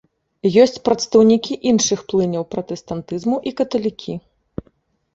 Ёсць прадстаўнікі іншых плыняў пратэстантызму і каталікі.